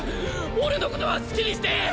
俺のことは好きにしていい！